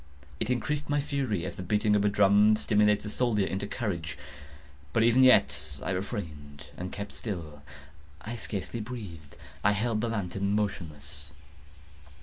It increased my fury, as the beating of a drum stimulates the soldier into courage. But even yet I refrained and kept still. I scarcely breathed. I held the lantern motionless.